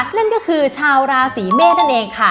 นั่นก็คือชาวราศีเมษนั่นเองค่ะ